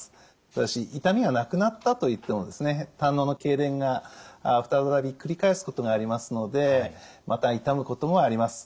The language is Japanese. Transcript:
ただし痛みがなくなったといっても胆のうのけいれんが再び繰り返すことがありますのでまた痛むこともあります。